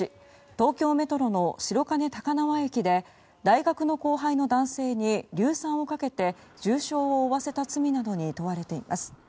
東京メトロの白金高輪駅で大学の後輩の男性に硫酸をかけて重傷を負わせた罪などに問われています。